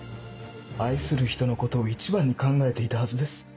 愛する人のことを一番に考えていたはずです。